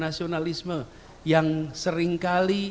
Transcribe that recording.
nasionalisme yang seringkali seakan dimonopoli